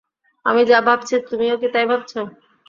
আমি যা ভাবছি তুমিও কি তাই ভাবছ?